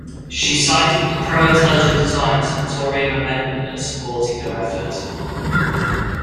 She cited the pro-intelligent design Santorum Amendment as supporting her effort.